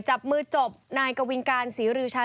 จับมือจบนายกวินการศรีริวชา